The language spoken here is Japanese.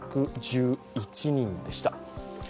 ２１１１人でした。